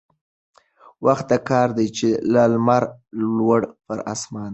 وخت د كار دى چي لا لمر لوړ پر آسمان دى